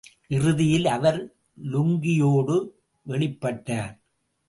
இறுதியில் அவர் லுங்கியோடு, வெளிப்பட்டார்.